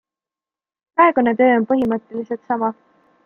Praegune töö on põhimõtteliselt sama.